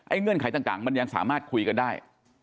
เงื่อนไขต่างมันยังสามารถคุยกันได้